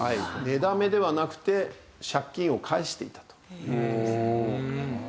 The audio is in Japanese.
寝だめではなくて借金を返していたという事です。